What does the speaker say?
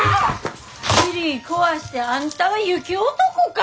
ツリー壊してあんたは雪男か！